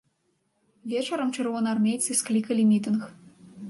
Вечарам чырвонаармейцы склікалі мітынг.